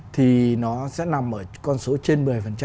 thì nó sẽ nằm ở con số trên một mươi